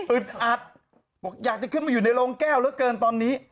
อัดบอกอยากจะขึ้นมาอยู่ในโรงแก้วเหลือเกินตอนนี้